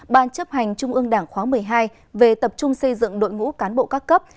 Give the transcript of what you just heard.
ban chấp hành trung ương đảng khóa một mươi hai về tập trung xây dựng đội ngũ cán bộ các cấp